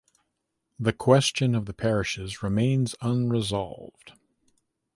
The question of the parishes remained unresolved.